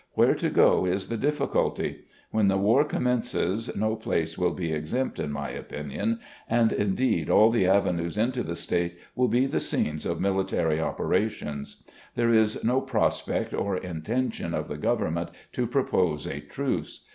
Where to go is the difficulty. When the war commences no place will be exempt, in my opinion, and indeed all the avenues into the State will be the scenes of military operations. "There is no prospect or intention of the Government to propose a truce.